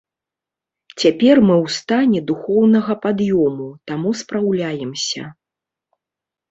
Цяпер мы ў стане духоўнага пад'ёму, таму спраўляемся.